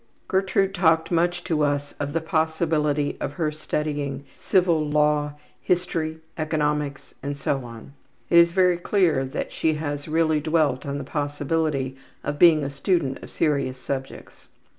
Gertrude talked much to us of the possibility of her studying civil law, history, economics, and so on it is very clear that she has really dwelt on the possibility of being a student of serious subjects.